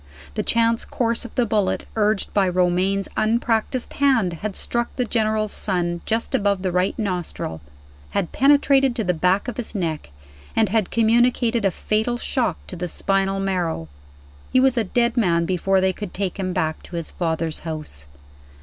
The chance course of the bullet, urged by Romayne's unpracticed hand, had struck the General's son just above the right nostril had penetrated to the back of his neck and had communicated a fatal shock to the spinal marrow. He was a dead man before they could take him back to his father's house.